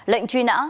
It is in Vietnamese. lệnh truy nã